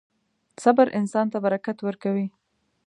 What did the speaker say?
• صبر انسان ته برکت ورکوي.